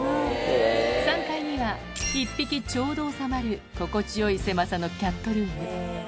３階には１匹ちょうど収まる心地よい狭さのキャットルーム。